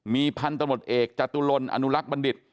มีพันธุ์ตรวจเอกจตุลลอนุลักษณ์บรรดิษฐ์